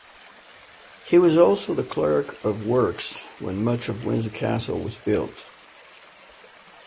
He was also the clerk of works when much of Windsor Castle was built.